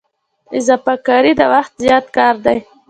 اضافه کاري د وخت زیات کار دی